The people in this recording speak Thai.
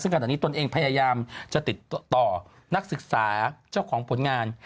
ซึ่งขณะนี้ตนเองพยายามจะติดต่อนักศึกษาเจ้าของผลงาน